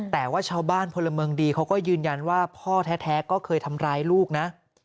แต่ว่าชาวบ้านพลเมืองดีเขาก็ยืนยันว่าพ่อแท้ก็เคยทำร้ายลูกนะ